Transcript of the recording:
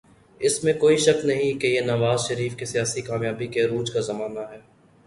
اس میں کوئی شک نہیں کہ یہ نواز شریف کی سیاسی کامیابی کے عروج کا زمانہ ہے۔